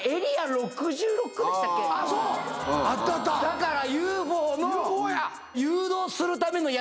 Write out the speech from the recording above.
だから。